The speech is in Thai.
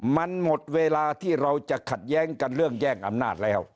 มันหมดเวลาที่เราจะขัดแย้งกันเรื่องแย่งอำนาจแล้ว